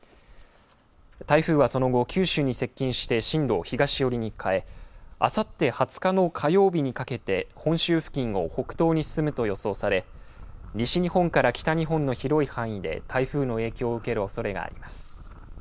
台風はその後、九州に接近して進路を東寄りに変えあさって２０日の火曜日にかけて本州付近を北東に進むと予想され西日本から北日本の広い範囲で台風の影響を受けるおそれがあります。